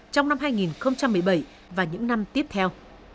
trong năm hai nghìn một mươi bảy và những năm tiếp theo